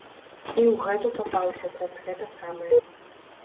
І ў гэту папаўся праз гэта самае.